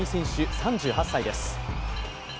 ３８歳です。